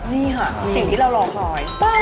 นี่ค่ะสิ่งที่เรารอคอย